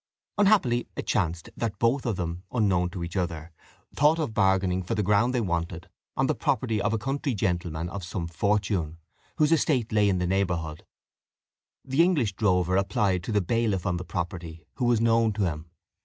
Unhappily it chanced that both of them, unknown to each other, thought of bargaining for the ground they wanted on the property of a country gentleman of some fortune, whose estate lay in the neighbourhood. The English drover applied to the bailiff on the property, who was known to him.